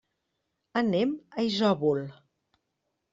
Anem a Isòvol.